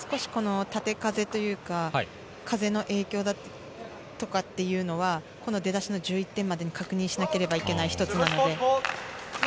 しかし縦風というか、風の影響は出だしの１１点までに確認しなければならない一つなので。